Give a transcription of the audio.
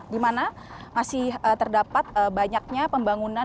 di mana masih terdapat banyaknya pembangunan